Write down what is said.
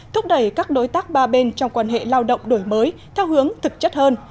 thúc đẩy các đối tác ba bên trong quan hệ lao động đổi mới theo hướng thực chất hơn